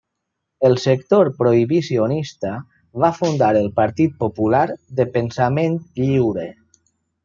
El sector prohibicionista va fundar el Partit Popular de Pensament Lliure.